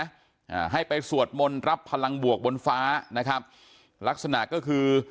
อ่าให้ไปสวดมนต์รับพลังบวกบนฟ้านะครับลักษณะก็คือ